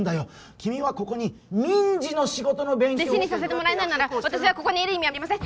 君はここに民事の仕事の勉強弟子にさせてもらえないのなら私はここにいる意味ありません